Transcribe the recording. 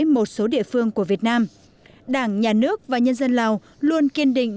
một số địa phương của việt nam đảng nhà nước và nhân dân lào luôn kiên định